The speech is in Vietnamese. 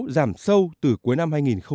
giảm sâu từ cuối năm hai nghìn một mươi chín